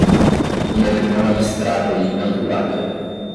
uma opinião abstrata e um tanto vaga